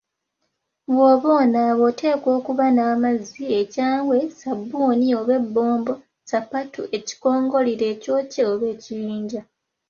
Bw'oba onaaba oteekwa okuba n'amazzi, ekyangwe, ssabbuni oba ebbombo, sapatu, ekikongolira ekyokye oba ekiyinja